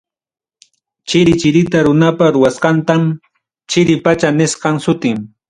Chiri chirita runapa ruwasqantam chiri pacha nisqan sutin.